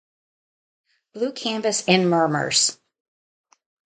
Blue canvas and murmurs.